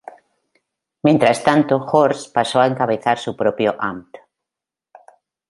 Mientras tanto, Horst pasó a encabezar su propio "Amt".